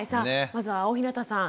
まずは大日向さん